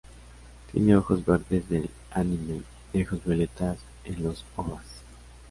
Tiene ojos verdes del Anime y ojos violeta en los Ovas.